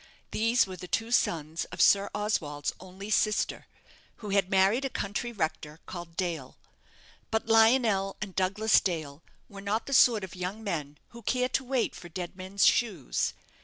These were the two sons of Sir Oswald's only sister, who had married a country rector, called Dale. But Lionel and Douglas Dale were not the sort of young men who care to wait for dead men's shoes.